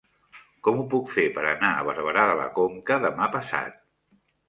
Com ho puc fer per anar a Barberà de la Conca demà passat?